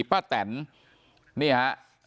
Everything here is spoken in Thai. พระแต่นนี่ฮะ